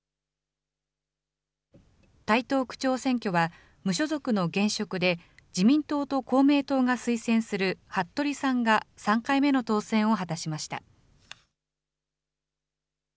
台東区長選挙は無所属の現職で自民党と公明党が推薦する服部さんが３回目の当選を果たしました。